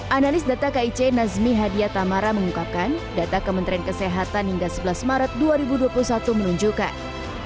analis data kic nazmi hadiah tamara mengungkapkan data kementerian kesehatan hingga sebelas maret dua ribu dua puluh satu menunjukkan